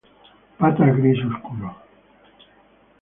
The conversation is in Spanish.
Patas gris oscuro.